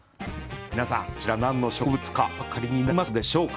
皆さんこちら何の植物かお分かりになりますでしょうか。